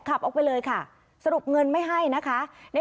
ขับออกไปเลยค่ะสรุปเงินไม่ให้นะคะ